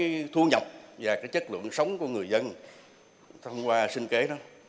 để nâng cao thu nhập và chất lượng sống của người dân thông qua sinh kế đó